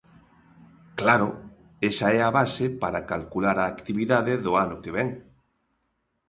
Claro, esa é a base para calcular a actividade do ano que vén.